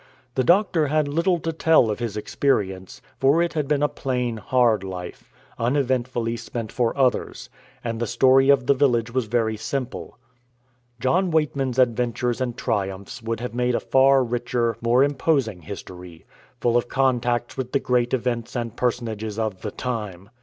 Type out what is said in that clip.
The doctor had little to tell of his experience, for it had been a plain, hard life, uneventfully spent for others, and the story of the village was very simple. John Weightman's adventures and triumphs would have made a far richer, more imposing history, full of contacts with the great events and personages of the time.